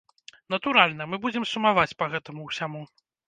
Натуральна, мы будзем сумаваць па гэтаму ўсяму.